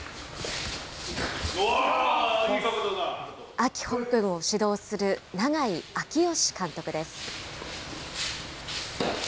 明峰君を指導する永井明慶監督です。